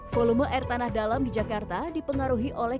volume air tanah dalam di jakarta dipengaruhi oleh